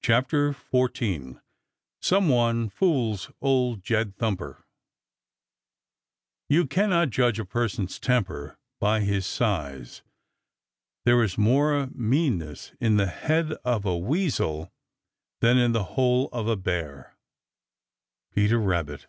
CHAPTER XIV SOME ONE FOOLS OLD JED THUMPER You cannot judge a person's temper by his size. There is more meanness in the head of a Weasel than in the whole of a Bear. Peter Rabbit.